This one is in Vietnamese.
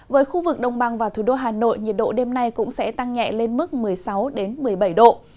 với khu vực đông băng và thủ đô hà nội nhiệt độ đêm nay cũng sẽ tăng nhẹ lên mức một mươi sáu một mươi bảy độ